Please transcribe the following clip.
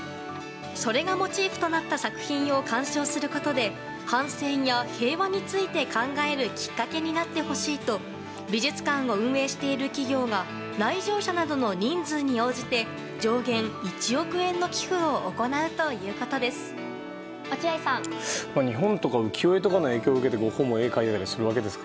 それがモチーフとなった作品を鑑賞することで反戦や平和について考えるきっかけになってほしいと美術館を運営している企業が来場者などの人数に応じて上限１億円の寄付を行うということです。